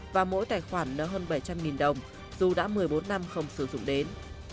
và mỗi tài khoản là hơn bảy trăm linh đồng dù đã một mươi bốn năm không sử dụng đến